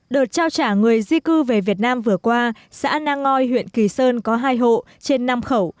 đợt trao trả người di cư về việt nam vừa qua xã nang ngoi huyện kỳ sơn có hai hộ trên năm khẩu